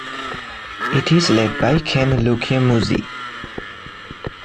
It is led by Ken Lukyamuzi.